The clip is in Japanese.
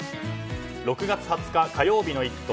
６月２０日火曜日の「イット！」